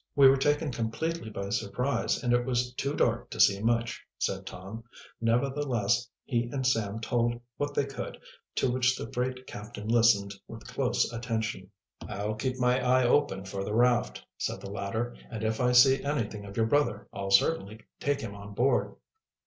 We were taken completely by surprise, and it was too dark to see much," said Tom. Nevertheless he and Sam told what they could, to which the freight captain listened with close attention. "I'll keep my eye open for the raft," said the latter. "And if I see anything of your brother I'll certainly take him on board."